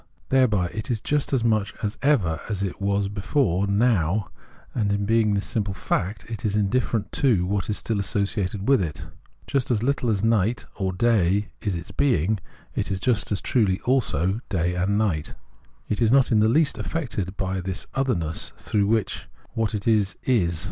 Thereby it is just as much as ever it was before, Now, and in being this simple fact, it is indifferent to what is still associated with it ; just as little as night or day is its being, it is just as truly also day and night ; it is not in the least affected by this otherness through which it is what it 94 Phenomenology of Mind is.